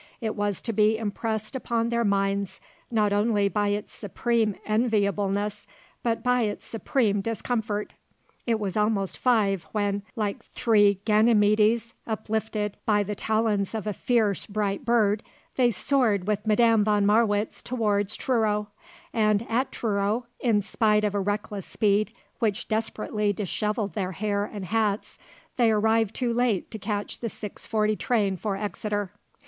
It was to be impressed upon their minds not only by its supreme enviableness but by its supreme discomfort. It was almost five when, like three Ganymedes uplifted by the talons of a fierce, bright bird, they soared with Madame von Marwitz towards Truro, and at Truro, in spite of a reckless speed which desperately dishevelled their hair and hats, they arrived too late to catch the 6.40 train for Exeter.